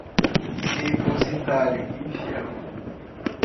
depositário infiel